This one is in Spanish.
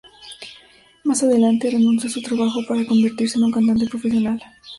Más adelante renunció su trabajo para convertirse en un cantante profesional.